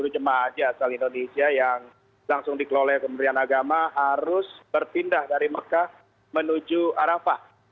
dua puluh jemaah haji asal indonesia yang langsung dikelola kementerian agama harus berpindah dari mekah menuju arafah